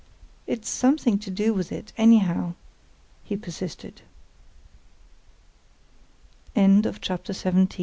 "It's something to do with it, anyhow!" he persisted. CHAPTER XVIII.